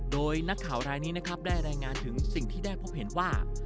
โดยนักข่าวรายนี้นะครับได้รายงานถึงสิ่งที่ได้พบเห็นว่า